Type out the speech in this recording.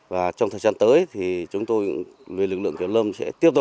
và trong thời gian tới thì chúng tôi lực lượng kiểm lâm sẽ tiếp tục